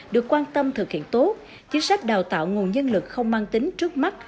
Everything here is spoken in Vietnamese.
được quan tâm thực hiện tốt chính sách đào tạo nguồn nhân lực không mang tính trước mắt